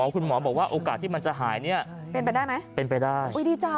คุณหมอบอกว่าโอกาสที่มันจะหายเนี่ยเป็นไปได้ไหมเป็นไปได้อุ้ยดีจ้ะ